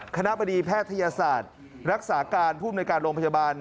คณะบดีแพทยศาสตร์รักษาการภูมิในการโรงพยาบาล